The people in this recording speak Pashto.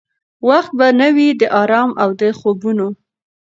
وخت به نه وي د آرام او د خوبونو؟